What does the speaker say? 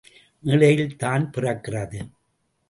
மேடையில் தான் பிறக்கிறது!